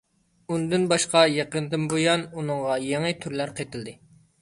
ئۇندىن باشقا يېقىندىن بۇيان ئۇنىڭغا يېڭى تۈرلەر قېتىلدى.